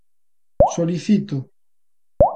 Solicito: